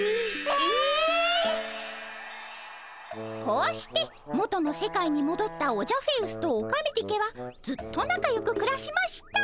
こうして元の世界にもどったオジャフェウスとオカメディケはずっとなかよくくらしました。